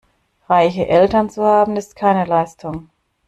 Reiche Eltern zu haben, ist keine Leistung.